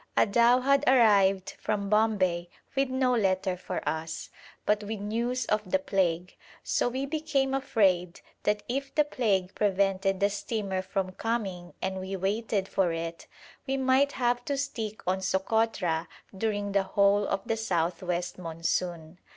A dhow had arrived from Bombay with no letter for us, but with news of the plague: so we became afraid that if the plague prevented the steamer from coming and we waited for it, we might have to stick on Sokotra during the whole of the south west monsoon.